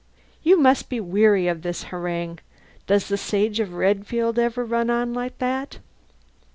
You must be weary of this harangue! Does the Sage of Redfield ever run on like that?"